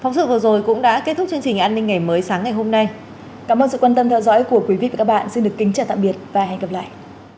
giúp đỡ người dân tộc giúp đỡ người dân tộc giúp đỡ người dân tộc